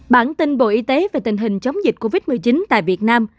bản tin bộ y tế về tình hình chống dịch covid một mươi chín tại việt nam